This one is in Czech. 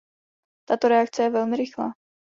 Tato reakce je velmi rychlá.